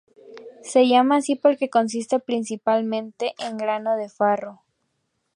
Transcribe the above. Se llama así porque consiste principalmente en grano de farro.